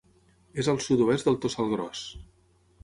És al sud-oest del Tossal Gros.